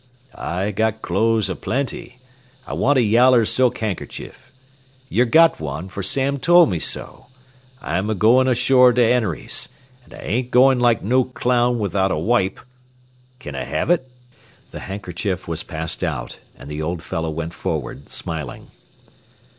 "I got clothes a plenty. I want a yaller silk ban'kercheef. Yer got one, for Sam tole me so. I'm a goin' ashore to Hennery's, an' I ain't goin' like no clown without a wipe. Kin I have it?" The handkerchief was passed out, and the old fellow went forward smiling.